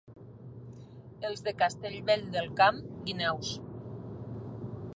Els de Castellvell del Camp, guineus.